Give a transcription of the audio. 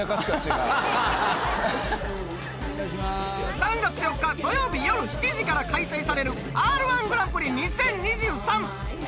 ３月４日土曜日夜７時から開催されるＲ−１グランプリ２０２３。